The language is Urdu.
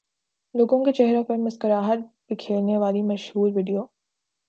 لوگوں کے چہروں پر مسکراہٹ بکھیرنے والی مشہور ویڈیو